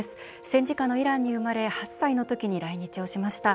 戦争下のイランに生まれ８歳の時に来日をしました。